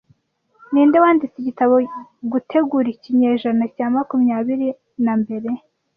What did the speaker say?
Ninde wanditse igitabo 'Gutegura ikinyejana cya makumyabiri na mbere'